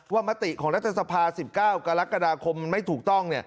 ว่ามติของรัฐธรรพา๑๙กรกฎาคมไม่ถูกต้อง